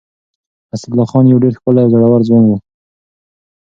اسدالله خان يو ډېر ښکلی او زړور ځوان و.